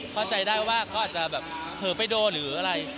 เข้าใจได้ว่าก็อาจจะเผินเป้ยโดนหรืออะไร